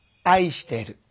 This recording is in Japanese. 愛してる。